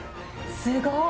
すごい！